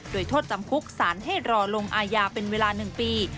โดยโทษจำคุกสารให้รอลงอาญาเป็นเวลา๑ปี